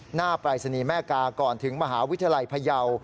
ปรายศนีย์แม่กาก่อนถึงมหาวิทยาลัยพยาว